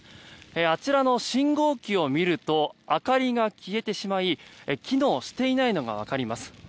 あちらの信号機を見ると明かりが消えてしまい機能していないのがわかります。